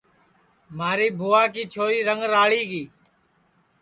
مھاری بھُوئا کی چھوری رنگ راݪی گی